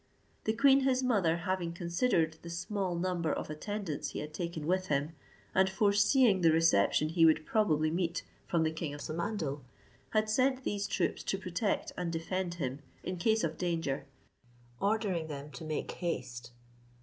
The queen his mother having considered the small number of attendants he had taken with him, and foreseeing the reception he would probably meet from the king of Samandal, had sent these troops to protect and defend him in case of danger, ordering them to make haste.